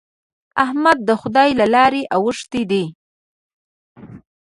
احمد د خدای له لارې اوښتی دی.